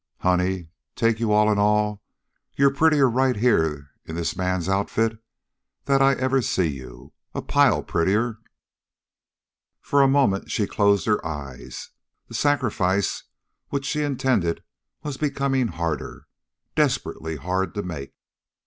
"Honey, take you all in all, you're prettier right here in this man's outfit that I ever see you a pile prettier!" For a moment she closed her eyes. The sacrifice which she intended was becoming harder, desperately hard to make.